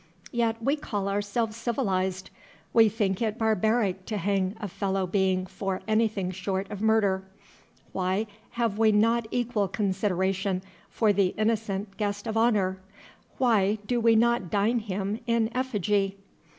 Yet we call ourselves civilized; we think it barbaric to hang a fellow being for anything short of murder. Why have we not equal consideration for the innocent Guest of Honor? Why do we not dine him in effigy?